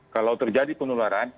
kalau terjadi penularan